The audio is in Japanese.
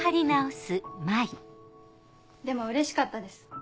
でもうれしかったです。